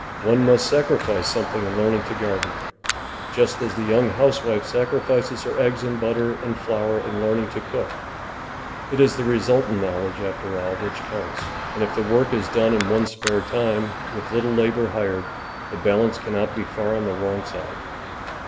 One must sacrifice something in learning to gar den, just as the j^oung housewife sacrifices her eggs and butter and flour in learning to cook; it is the resultant knowledge, after all, which counts, and if the work is done in one's spare time, with little labour hired, the balance cannot be far on the wrong side.